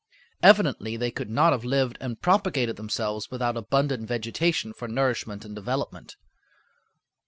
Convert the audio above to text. Evidently they could not have lived and propagated themselves without abundant vegetation for nourishment and development.